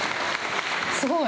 すごい。